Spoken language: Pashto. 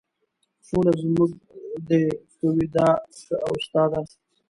ټوله زموږ دي که ویدا که اوستا ده